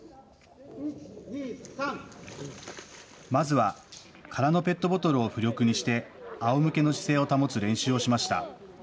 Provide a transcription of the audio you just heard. まずは空のペットボトルを浮力にして、あおむけの姿勢を保つ練習をしました。